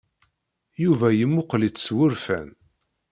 Yuba yemmuqqel-itt s wurfan.